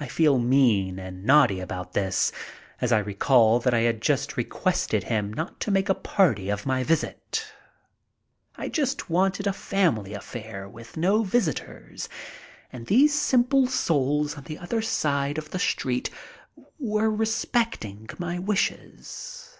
I feel mean and naughty about this, as I recall that I had requested him not to make a party of my visit. I just wanted a family affair, with no visitors, and these simple souls on the other side of the street were respecting my wishes.